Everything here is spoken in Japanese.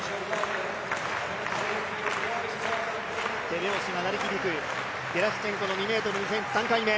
手拍子が鳴り響くゲラシュチェンコの３回目。